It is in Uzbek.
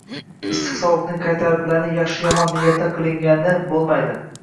Issiq-sovuqning, qaytariqlarning yaxshi-yomon niyatda qilingani bo`lmaydi